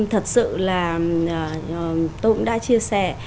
thật sự là tôi cũng đã chia sẻ